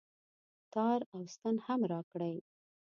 تار او ستن هم راکړئ